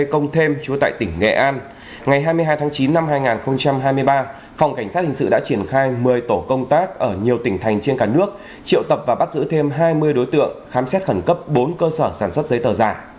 cảnh sát hình sự đã triển khai một mươi tổ công tác ở nhiều tỉnh thành trên cả nước triệu tập và bắt giữ thêm hai mươi đối tượng khám xét khẩn cấp bốn cơ sở sản xuất giấy tờ giả